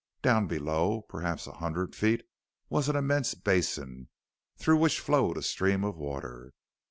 Down below, perhaps a hundred feet, was an immense basin, through which flowed a stream of water.